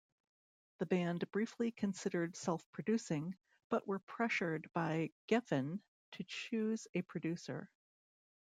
The band briefly considered self-producing, but were pressured by Geffen to choose a producer.